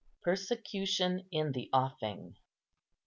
PERSECUTION IN THE OFFING.